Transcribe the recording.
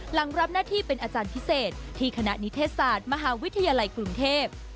หลังรับหน้าที่เป็นอาจารย์พิเศษที่คณะนิเทศศาสตร์มหาวิทยาลัยกรุงเทพ